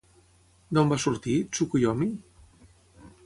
D'on va sortir, Tsukuyomi?